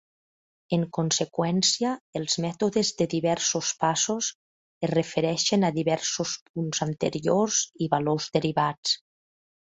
En conseqüència, els mètodes de diversos passos es refereixen a diversos punts anteriors i valors derivats.